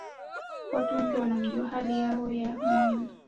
watu wengi wanajua hali yao ya mwili